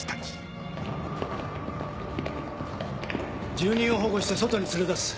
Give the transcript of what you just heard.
住人を保護して外に連れ出す。